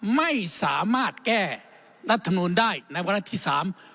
ไม่สามารถแก้รัฐธรรมนุษย์ได้ในเวลาที่สาม